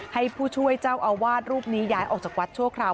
ให้ผู้ช่วยเจ้าอาวาสรูปนี้ย้ายออกจากวัดชั่วคราว